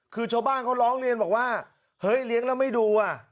คือชาวบ้านเขาร้องเรียนบอกว่าเฮ้ยเลี้ยงแล้วไม่ดูอ่ะ